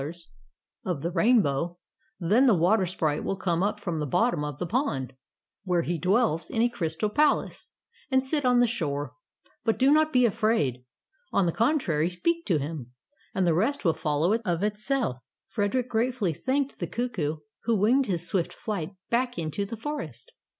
I < I (F 83) WATCHING FOR THE WATER SPRITE Tales of Modern Germany 83 the rainbow, then the water sprite will come up from the bottom of the pond, where he dwells in a crystal palace, and sit on the shore. But do not be afraid. On the con trary, speak to him, and the rest will follow of itself.^' Frederick gratefully thanked the cuckoo, who winged his swift flight back into the forest.